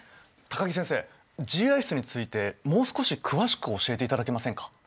高木先生ＧＩＳについてもう少し詳しく教えていただけませんか。